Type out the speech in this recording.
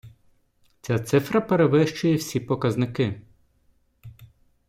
Ця цифра перевищує всі показники.